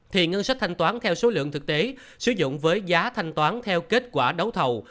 thì ngân sách thanh toán theo số lượng thực tế sử dụng với giá thanh toán theo kết quả đấu thầu